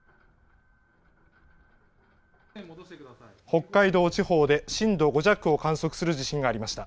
北海道地方で震度５弱を観測する地震がありました。